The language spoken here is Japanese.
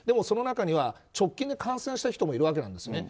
その中には直近で感染した人もいるわけです。